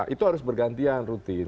itu harus bergantian rutin